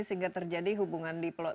sehingga terjadi hubungan diplomat